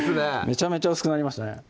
めちゃめちゃ薄くなりましたね